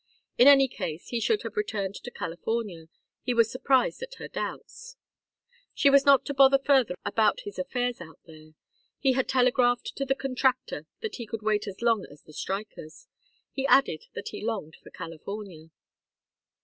In any case he should have returned to California: he was surprised at her doubts. She was not to bother further about his affairs out there. He had telegraphed to the contractor that he could wait as long as the strikers. He added that he longed for California.